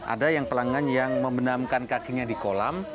ada yang pelanggan yang membenamkan kakinya di kolam